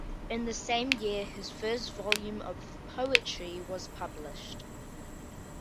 In the same year his first volume of poetry was published.